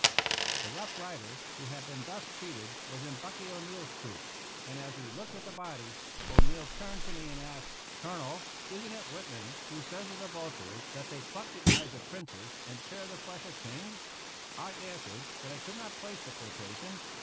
The Rough Rider who had been thus treated was in Bucky O'Neill's troop ; and as we looked at the body, O'Neill turned to me and asked, "Colonel, isn't it Whitman who says of the vultures that ' they pluck the eyes of princes and tear the flesh of kings "?" I answered that I could not place the quotation.